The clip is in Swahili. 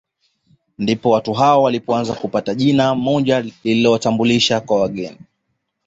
Ndipo watu hao walipoanza kupata jina moja lililowatambulisha kwa wageni